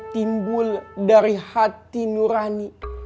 timbul dari hati nurani